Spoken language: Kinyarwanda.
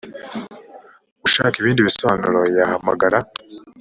ushaka ibindi bisobanuro yahamagara